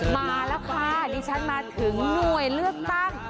มาแล้วค่ะดิฉันมาถึงหน่วยเลือกตั้ง